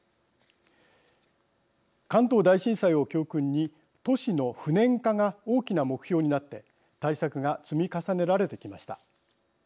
関東大震災を教訓に都市の不燃化が大きな目標になって対策が積み重ねられてきました。